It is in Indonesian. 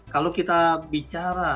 kalau kita bicara